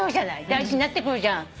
大事になってくるじゃん。